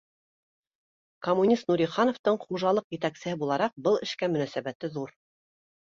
Коммунист Нурихановтың, хужалыҡ етәксеһе булараҡ, был эшкә мөнәсәбәте ҙур